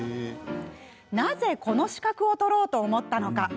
なぜこの資格を取ろうと思ったのか。